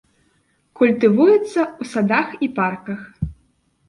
Культывуецца ў садах і парках.